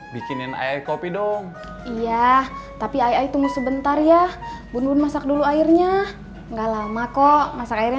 bikinin air kopi dong iya tapi ayo tunggu sebentar ya bun bun masak dulu airnya enggak lama kok masak airnya